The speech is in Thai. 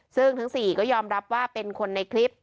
ซึ่งทั้ง๔ก็ยอมรับว่าเป็นคนในคลิป